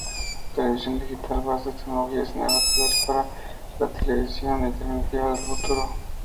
Televisión digital: Bases tecnológicas y narrativas para la televisión interactiva del futuro.